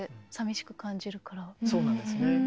そうなんですね。